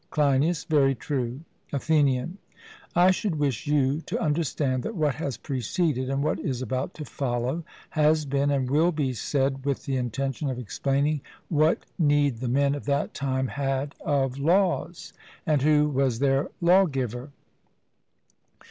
CLEINIAS: Very true. ATHENIAN: I should wish you to understand that what has preceded and what is about to follow, has been, and will be said, with the intention of explaining what need the men of that time had of laws, and who was their lawgiver.